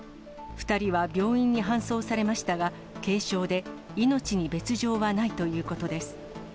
２人は病院に搬送されましたが、軽傷で命に別状はないということです。